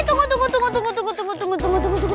tunggu tunggu tunggu tunggu tunggu tunggu tunggu tunggu tunggu